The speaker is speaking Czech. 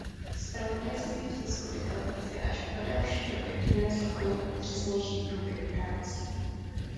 Zpravodajství v tisku i televizi až po delší době přineslo poněkud přesnější průběh událostí.